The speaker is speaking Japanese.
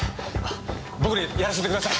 僕にやらせてください。